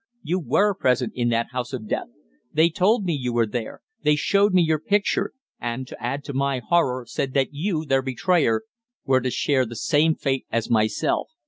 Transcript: You were present in that house of death. They told me you were there they showed me your picture, and, to add to my horror, said that you, their betrayer, were to share the same fate as myself."